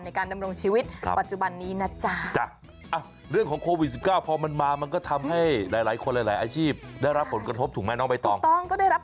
ในการดำรงชีวิตปัจจุบันนี้นะจ๊ะ